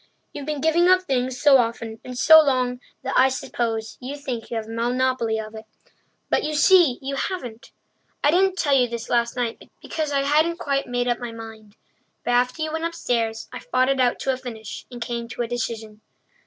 You've been giving up things so often and so long that I suppose you think you have a monopoly of it; but you see you haven't. I didn't tell you this last night because I hadn't quite made up my mind. But after you went upstairs, I fought it out to a finish and came to a decision.